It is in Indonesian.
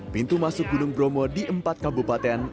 pintu masuk gunung bromo di empat kabupaten